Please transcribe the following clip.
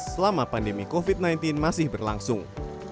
selama pandemi covid sembilan belas masih berlangsung